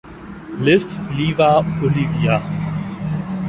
Liv, Liva, Olivia